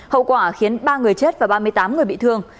hậu quả khiến ba người chết và ba mươi tám người bị thương